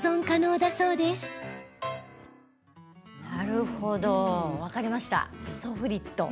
なるほど、分かりましたソフリット。